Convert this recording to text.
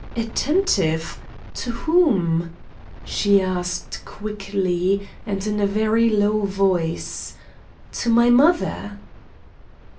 "Attentive to whom?" she asked quickly, and in a very low voice. "To my mother?"